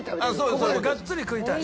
ここでがっつり食いたい。